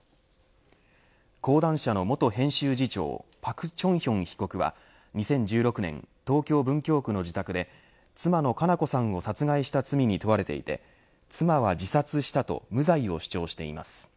講談社の元編集次長朴鐘顕被告は２０１６年東京、文京区の自宅で妻の佳菜子さんを殺害した罪に問われていて妻は自殺したと無罪を主張しています。